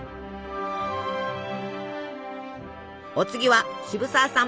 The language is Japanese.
お次は渋沢さん